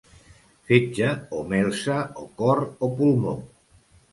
Fetge o melsa o cor o pulmó.